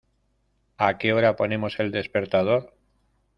¿A qué hora ponemos el despertador?